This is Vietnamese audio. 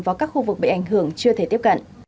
vào các khu vực bị ảnh hưởng chưa thể tiếp cận